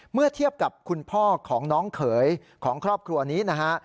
เมื่อเทียบกับคุณพ่อของน้องเขยของครอบครัวนี้นะฮะ